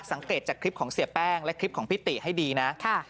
จากคลิปของเสียแป้งและคลิปของพี่ติให้ดีนะ